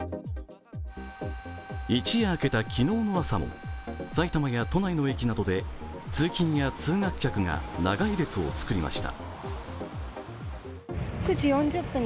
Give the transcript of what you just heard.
一夜明けた昨日の朝も埼玉や都内の駅などで通勤や通学客が長い列を作りました。